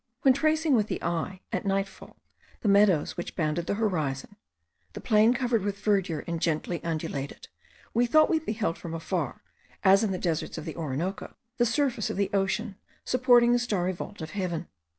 When tracing with the eye, at night fall, the meadows which bounded the horizon, the plain covered with verdure and gently undulated, we thought we beheld from afar, as in the deserts of the Orinoco, the surface of the ocean supporting the starry vault of Heaven.